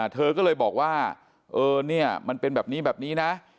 เธอก็เลยบอกว่าเออเนี่ยมันเป็นแบบนี้แบบนี้นะ